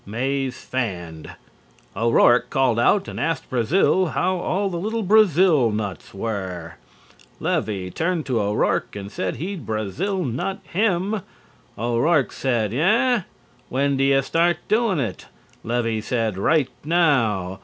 Mays fanned. O'Rourke called out and asked Brazill how all the little brazil nuts were. Levy turned to O'Rourke and said he'd brazil nut him. O'Rourke said "Eah? When do you start doing it?" Levy said: "Right now."